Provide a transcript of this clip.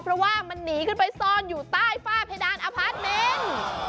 เพราะว่ามันหนีขึ้นไปซ่อนอยู่ใต้ฝ้าเพดานอพาร์ทเมนต์